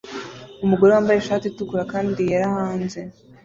Umugore wambaye ishati itukura kandi yera hanze